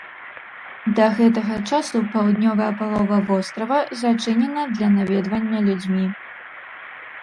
Да гэтага часу паўднёвая палова вострава зачынена для наведвання людзьмі.